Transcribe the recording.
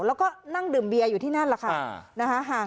แล้วก็นั่งดื่มเบียอยู่ที่นั่นแหละค่ะอ่านะฮะ